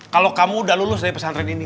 kalau kamu udah lulus dari pesantren ini